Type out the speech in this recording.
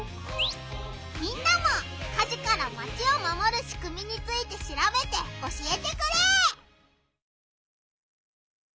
みんなも火事からマチを守るしくみについてしらべて教えてくれ！